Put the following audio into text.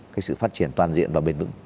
cái sự phát triển toàn diện và bền vững